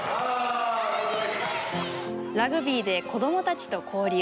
ラグビーで子どもたちと交流。